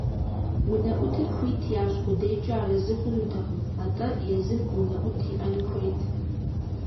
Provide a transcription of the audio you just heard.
Унэӏутыр хуит ящӏ къудейкӏэ арэзы хъунутэкъым, атӏэ езым унэӏут иӏэну хуейт.